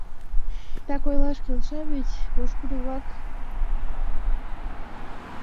Так ойлаш, келша вет, пошкудо-влак?